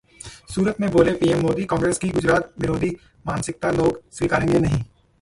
सूरत में बोले पीएम मोदी- कांग्रेस की गुजरात विरोधी मानसिकता लोग स्वीकारेंगे नहीं